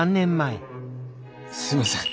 すいません。